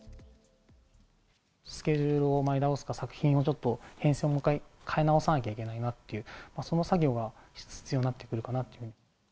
スケジュールを前倒すか、作品をちょっと編成も変え直さなきゃいけないなっていう、その作業が必要になってくるかなって。